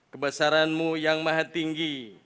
kebesaran mu yang maha tinggi